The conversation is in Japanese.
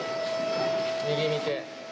右見て。